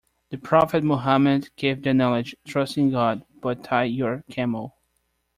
The Prophet Muhammad gave the analogy "Trust in God, but tie your camel.".